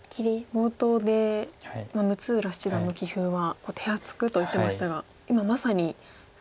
冒頭で六浦七段の棋風は手厚くと言ってましたが今まさにそれですね。